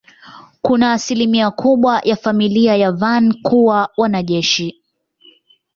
Kuna asilimia kubwa ya familia ya Van kuwa wanajeshi.